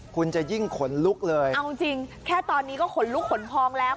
คุณจะยิ่งขนลุกเลยเอาจริงแค่ตอนนี้ก็ขนลุกขนพองแล้ว